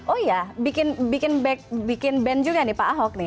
oh iya bikin band juga nih pak ahok nih